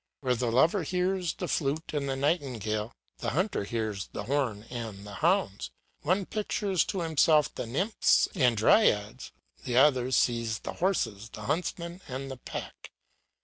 Where the lover hears the flute and the nightingale, the hunter hears the horn and the hounds; one pictures to himself the nymphs and dryads, the other sees the horses, the huntsman, and the pack.